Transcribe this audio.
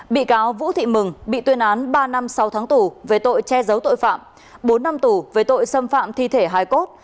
bị cáo vũ thị mừng bị tuyên án ba năm sáu tháng tù về tội che giấu tội phạm bốn năm tù về tội xâm phạm thi thể hai cốt